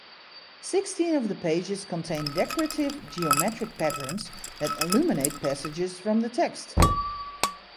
Sixteen of the pages contain decorative geometric patterns that illuminate passages from the text.